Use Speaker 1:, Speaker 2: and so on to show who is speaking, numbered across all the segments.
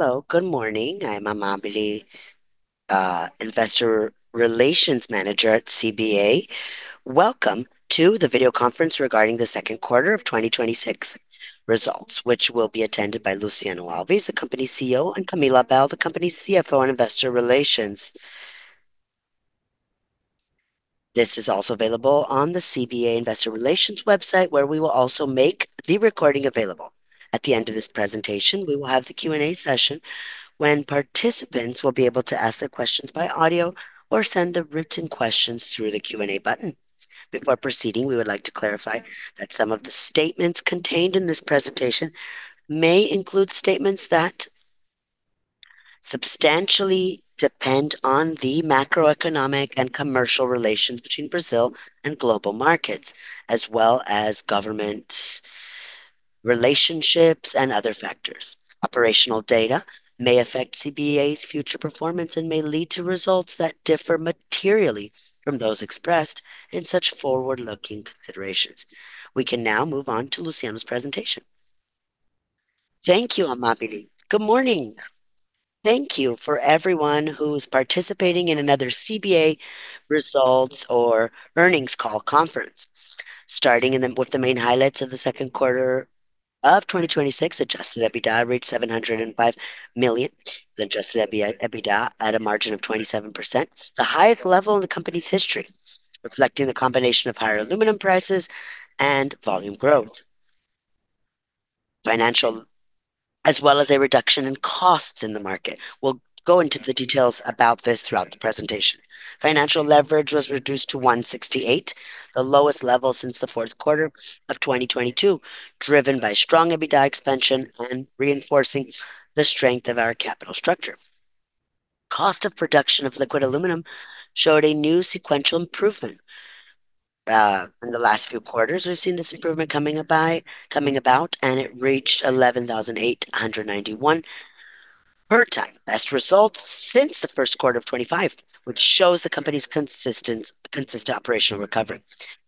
Speaker 1: Hello, good morning. I am Amábile, Investor Relations Manager at CBA. Welcome to the video conference regarding the second quarter of 2026 results, which will be attended by Luciano Alves, the company's CEO, and Camila Abel, the company's CFO and Investor Relations Officer. This is also available on the CBA Investor Relations website, where we will also make the recording available. At the end of this presentation, we will have the Q&A session when participants will be able to ask their questions by audio or send their written questions through the Q&A button. Before proceeding, we would like to clarify that some of the statements contained in this presentation may include statements that substantially depend on the macroeconomic and commercial relations between Brazil and global markets, as well as government relationships and other factors. Operational data may affect CBA's future performance and may lead to results that differ materially from those expressed in such forward-looking considerations. We can now move on to Luciano's presentation.
Speaker 2: Thank you, Amábile. Good morning. Thank you for everyone who's participating in another CBA results or earnings call conference. Starting with the main highlights of the second quarter of 2026, adjusted EBITDA reached 705 million at a margin of 27%, the highest level in the company's history, reflecting the combination of higher aluminum prices and volume growth, as well as a reduction in costs in the market. We'll go into the details about this throughout the presentation. Financial leverage was reduced to 168, the lowest level since the fourth quarter of 2022, driven by strong EBITDA expansion and reinforcing the strength of our capital structure. Cost of production of liquid aluminum showed a new sequential improvement. In the last few quarters, we've seen this improvement coming about, and it reached $11,891 per ton. Best results since the first quarter of 2025, which shows the company's consistent operational recovery.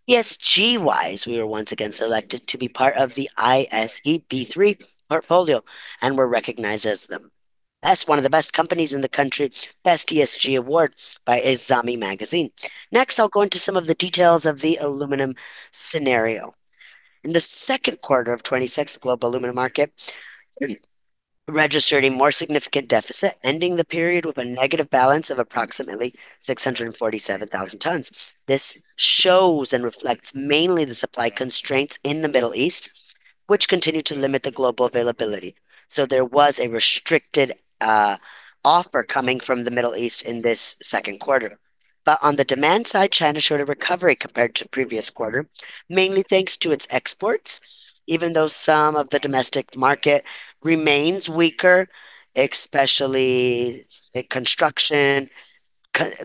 Speaker 2: ESG-wise, we were once again selected to be part of the ISE B3 portfolio and were recognized as one of the best companies in the country, Best ESG Awards by Exame Magazine. Next, I'll go into some of the details of the aluminum scenario. In the second quarter of 2026, the global aluminum market registered a more significant deficit, ending the period with a negative balance of approximately 647,000 tons. This shows and reflects mainly the supply constraints in the Middle East, which continued to limit the global availability. There was a restricted offer coming from the Middle East in this second quarter. On the demand side, China showed a recovery compared to the previous quarter, mainly thanks to its exports, even though some of the domestic market remains weaker, especially construction.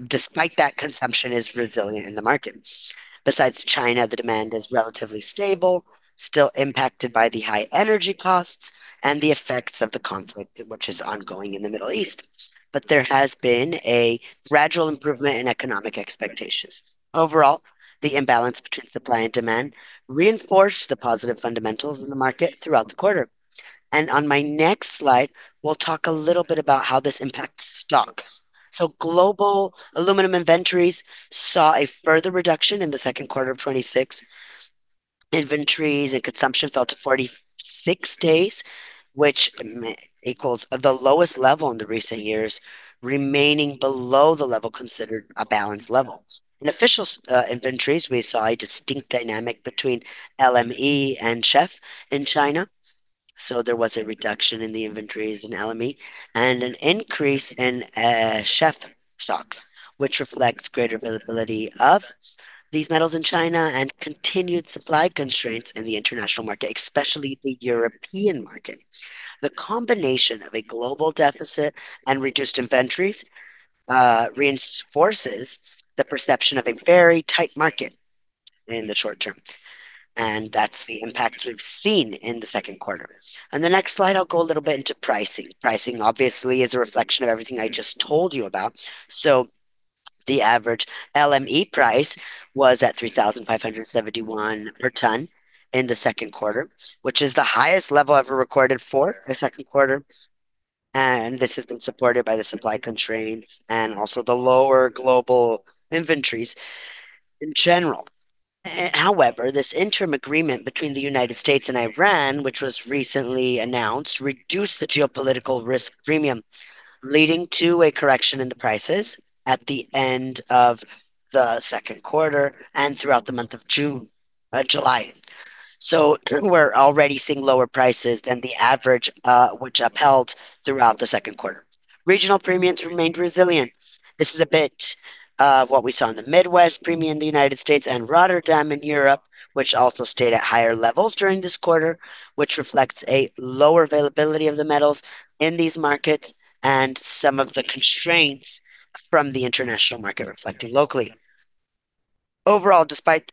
Speaker 2: Despite that, consumption is resilient in the market. Besides China, the demand is relatively stable, still impacted by the high energy costs and the effects of the conflict which is ongoing in the Middle East. There has been a gradual improvement in economic expectations. Overall, the imbalance between supply and demand reinforced the positive fundamentals in the market throughout the quarter. On my next slide, we'll talk a little bit about how this impacts stocks. Global aluminum inventories saw a further reduction in the second quarter of 2026. Inventories and consumption fell to 46 days, which equals the lowest level in the recent years, remaining below the level considered a balanced level. In official inventories, we saw a distinct dynamic between LME and SHFE in China. There was a reduction in the inventories in LME and an increase in SHFE stocks, which reflects greater availability of these metals in China and continued supply constraints in the international market, especially the European market. The combination of a global deficit and reduced inventories reinforces the perception of a very tight market in the short term, and that's the impact we've seen in the second quarter. On the next slide, I'll go a little bit into pricing. Pricing obviously is a reflection of everything I just told you about. The average LME price was at $3,571 per ton in the second quarter, which is the highest level ever recorded for a second quarter, and this has been supported by the supply constraints and also the lower global inventories in general. However, this interim agreement between the United States and Iran, which was recently announced, reduced the geopolitical risk premium, leading to a correction in the prices at the end of the second quarter and throughout the month of July. We're already seeing lower prices than the average which upheld throughout the second quarter. Regional premiums remained resilient. This is a bit of what we saw in the Midwest Premium in the United States and Rotterdam in Europe, which also stayed at higher levels during this quarter, which reflects a lower availability of the metals in these markets and some of the constraints from the international market reflecting locally. Overall, despite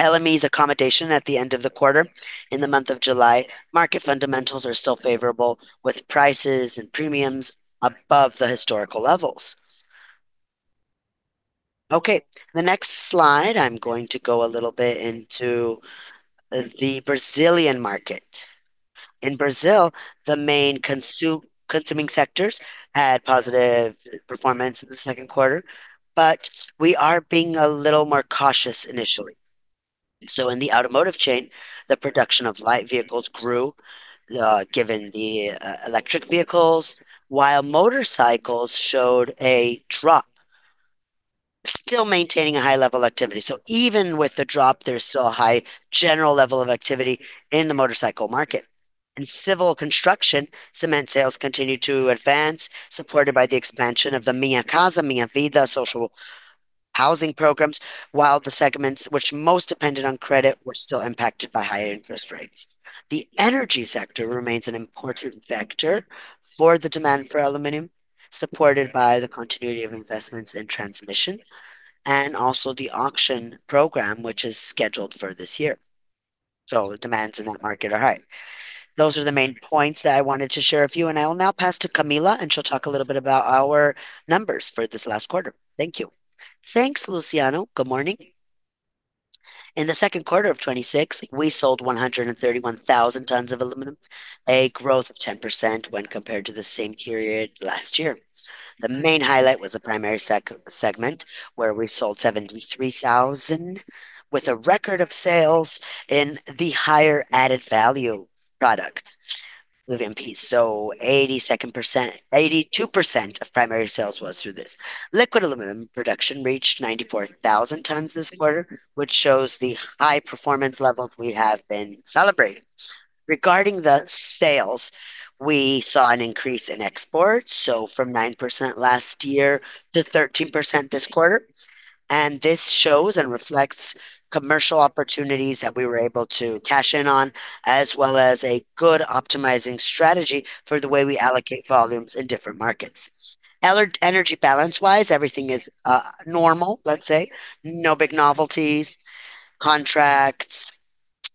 Speaker 2: LME's accommodation at the end of the quarter in the month of July, market fundamentals are still favorable, with prices and premiums above the historical levels. Okay. The next slide, I'm going to go a little bit into the Brazilian market. In Brazil, the main consuming sectors had positive performance in the second quarter, we are being a little more cautious initially. In the automotive chain, the production of light vehicles grew, given the electric vehicles, while motorcycles showed a drop, still maintaining a high level of activity. Even with the drop, there's still a high general level of activity in the motorcycle market. In civil construction, cement sales continued to advance, supported by the expansion of the Minha Casa, Minha Vida social housing programs, while the segments which most depended on credit were still impacted by higher interest rates. The energy sector remains an important factor for the demand for aluminum, supported by the continuity of investments in transmission and also the auction program, which is scheduled for this year. The demands in that market are high. Those are the main points that I wanted to share with you, and I will now pass to Camila, and she'll talk a little bit about our numbers for this last quarter. Thank you.
Speaker 3: Thanks, Luciano. Good morning. In the second quarter of 2026, we sold 131,000 tons of aluminum, a growth of 10% when compared to the same period last year. The main highlight was the primary segment, where we sold 73,000 tons, with a record of sales in the higher value-added product LVMPs, 82% of primary sales was through this. Liquid aluminum production reached 94,000 tons this quarter, which shows the high performance level we have been celebrating. Regarding the sales, we saw an increase in exports, from 9% last year to 13% this quarter. This shows and reflects commercial opportunities that we were able to cash in on, as well as a good optimizing strategy for the way we allocate volumes in different markets. Energy balance-wise, everything is normal, let's say, no big novelties. Contracts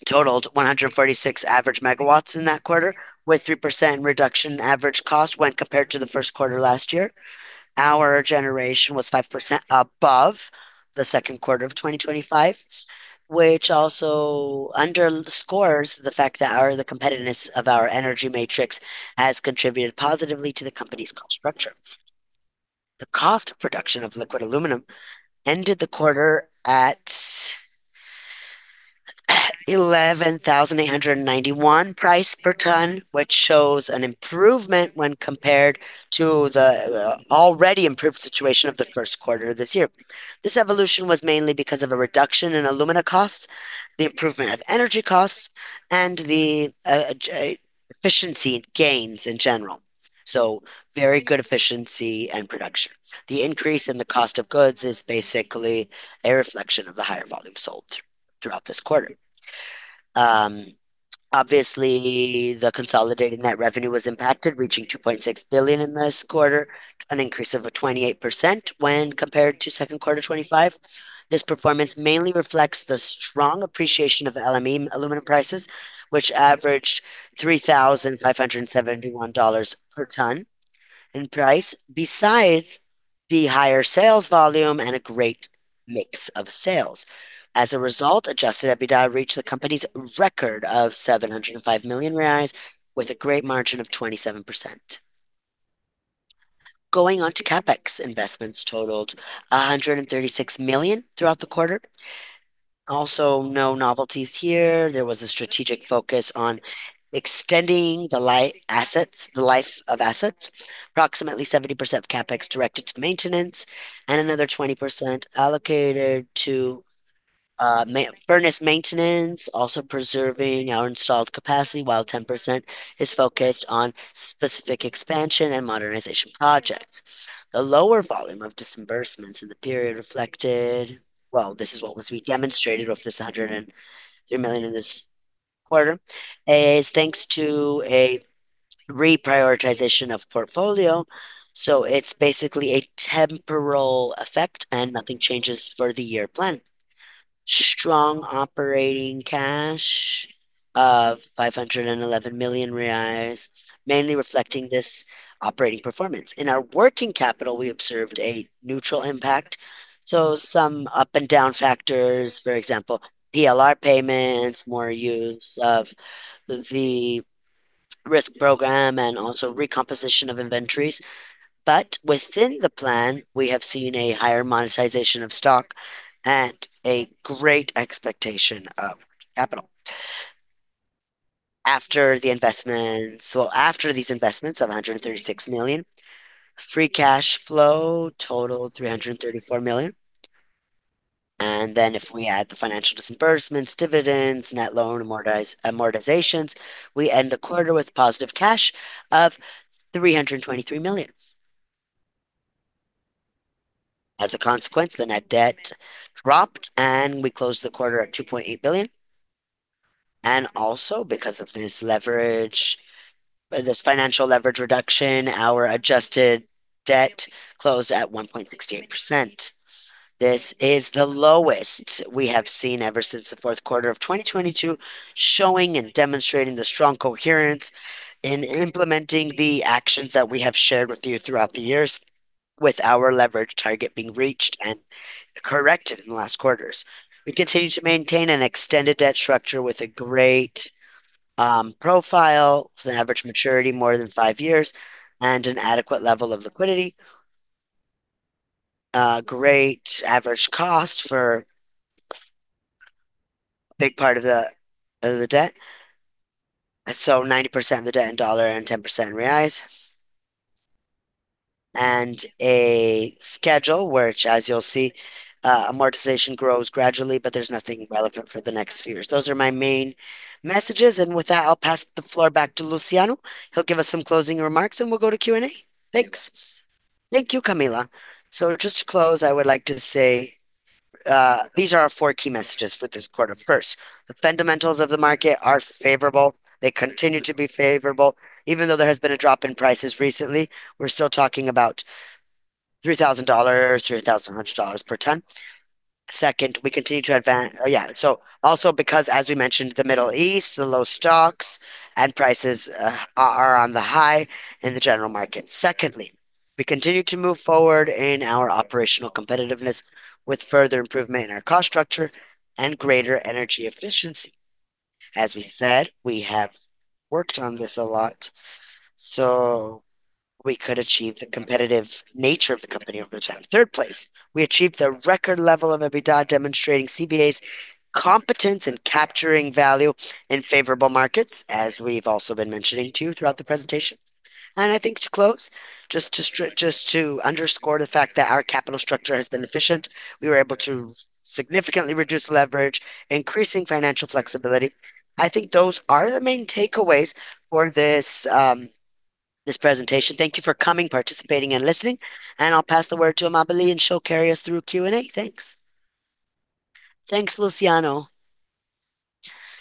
Speaker 3: totaled 146 average megawatts in that quarter, with 3% reduction in average cost when compared to the first quarter last year. Our generation was 5% above the second quarter of 2025, which also underscores the fact that the competitiveness of our energy matrix has contributed positively to the company's cost structure. The cost of production of liquid aluminum ended the quarter at $11,891 per ton, which shows an improvement when compared to the already improved situation of the first quarter this year. This evolution was mainly because of a reduction in alumina costs, the improvement of energy costs, and the efficiency gains in general, so very good efficiency and production. The increase in the cost of goods is basically a reflection of the higher volume sold throughout this quarter. Obviously, the consolidated net revenue was impacted, reaching 2.6 billion in this quarter, an increase of 28% when compared to second quarter 2025. This performance mainly reflects the strong appreciation of the LME aluminum prices, which averaged $3,571 per ton in price, besides the higher sales volume and a great mix of sales. As a result, adjusted EBITDA reached the company's record of 705 million reais, with a great margin of 27%. Going on to CapEx, investments totaled 136 million throughout the quarter. Also, no novelties here. There was a strategic focus on extending the life of assets, approximately 70% of CapEx directed to maintenance and another 20% allocated to furnace maintenance, also preserving our installed capacity, while 10% is focused on specific expansion and modernization projects. This is what was demonstrated of this 103 million in this quarter. It is thanks to a reprioritization of portfolio, so it is basically a temporal effect and nothing changes for the year plan. Strong operating cash of 511 million reais, mainly reflecting this operating performance. In our working capital, we observed a neutral impact, so some up and down factors, for example, PLR payments, more use of the risk program, and also recomposition of inventories. Within the plan, we have seen a higher monetization of stock and a great expectation of capital. After these investments of 136 million, free cash flow totaled 334 million. If we add the financial disbursements, dividends, net loan amortizations, we end the quarter with positive cash of BRL 323 million. As a consequence, the net debt dropped, and we closed the quarter at 2.8 billion. Also because of this financial leverage reduction, our adjusted debt closed at 1.68%. This is the lowest we have seen ever since the fourth quarter of 2022, showing and demonstrating the strong coherence in implementing the actions that we have shared with you throughout the years. With our leverage target being reached and corrected in the last quarters. We continue to maintain an extended debt structure with a great profile, with an average maturity more than five years, and an adequate level of liquidity. A great average cost for a big part of the debt. 90% of the debt in USD and 10% in BRL. A schedule which, as you'll see, amortization grows gradually, but there's nothing relevant for the next few years. Those are my main messages. With that, I'll pass the floor back to Luciano. He'll give us some closing remarks. We'll go to Q&A. Thanks.
Speaker 2: Thank you, Camila Abel. Just to close, I would like to say these are our four key messages for this quarter. First, the fundamentals of the market are favorable. They continue to be favorable. Even though there has been a drop in prices recently, we're still talking about $3,000, $3,100 per ton. Second, we continue to advance. Also because, as we mentioned, the Middle East, the low stocks, prices are on the high in the general market. Secondly, we continue to move forward in our operational competitiveness with further improvement in our cost structure and greater energy efficiency. As we said, we have worked on this a lot. We could achieve the competitive nature of the company over time. Third place, we achieved a record level of EBITDA demonstrating CBA's competence in capturing value in favorable markets, as we've also been mentioning to you throughout the presentation. I think to close, just to underscore the fact that our capital structure has been efficient. We were able to significantly reduce leverage, increasing financial flexibility. I think those are the main takeaways for this presentation. Thank you for coming, participating, and listening. I'll pass the word to Amábile. She'll carry us through Q&A. Thanks.
Speaker 1: Thanks, Luciano.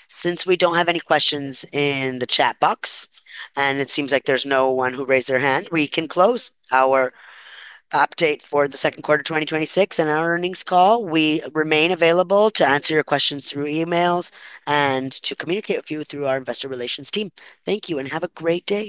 Speaker 1: Since we don't have any questions in the chat box, it seems like there's no one who raised their hand. We can close our update for the second quarter of 2026 and our earnings call. We remain available to answer your questions through emails and to communicate with you through our investor relations team. Thank you. Have a great day.